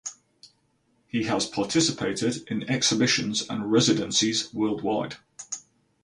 He has participated in exhibitions and residencies worldwide.